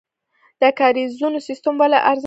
د کاریزونو سیستم ولې ارزانه دی؟